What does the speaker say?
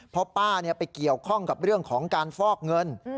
เพราะป้าไปเกี่ยวข้องกับเรื่องของการฟอกเงิน